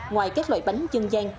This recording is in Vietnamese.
ngoài các loại bánh dân giang